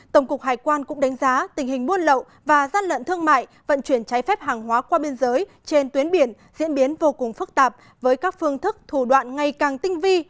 tổng cục hải quan cũng đánh giá tình hình buôn lậu và gian lận thương mại vận chuyển trái phép hàng hóa qua biên giới trên tuyến biển diễn biến vô cùng phức tạp với các phương thức thủ đoạn ngày càng tinh vi